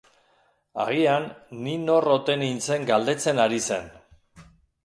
Agian, ni nor ote nintzen galdetzen ari zen.